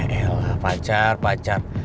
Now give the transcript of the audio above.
ya elah pacar pacar